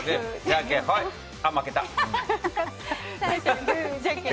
あ、負けた。